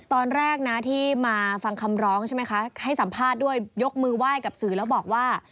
ตอนแรกนะที่มาฟังคำร้องใช่ไหมคะให้สัมภาษณ์ด้วยยกมือไหว้กับสื่อแล้วบอกว่า